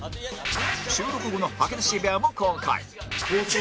収録後の吐き出し部屋も公開